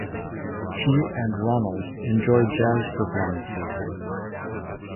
She and Ronald enjoy jazz performances.